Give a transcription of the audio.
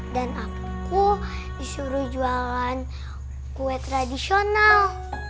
dan aku disuruh jualan kue tradisional